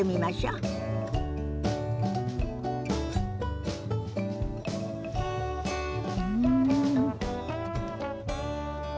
うん。